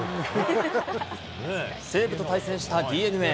西武と対戦したＤｅＮＡ。